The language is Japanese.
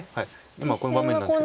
今この場面なんですけど。